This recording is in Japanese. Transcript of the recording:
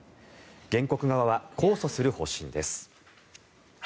原告側は控訴する方針です。